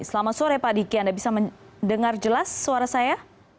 selamat sore pak diki anda bisa mendengar jelas suara saya